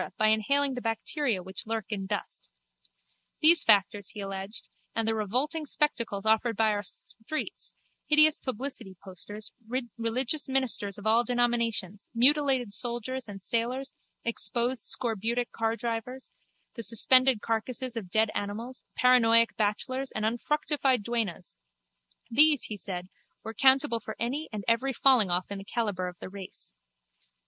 by inhaling the bacteria which lurk in dust. These factors, he alleged, and the revolting spectacles offered by our streets, hideous publicity posters, religious ministers of all denominations, mutilated soldiers and sailors, exposed scorbutic cardrivers, the suspended carcases of dead animals, paranoic bachelors and unfructified duennas—these, he said, were accountable for any and every fallingoff in the calibre of the race.